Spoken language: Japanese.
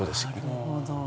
なるほど。